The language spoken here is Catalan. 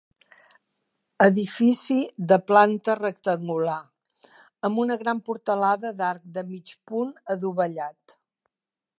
Edifici de planta rectangular, amb una gran portalada d'arc de mig punt adovellat.